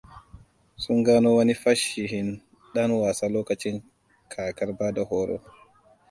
Sun gano wani fasihin ɗan wasa lokacin kakar bada horo.